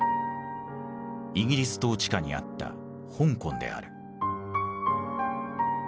イギリス統治下にあった香港である。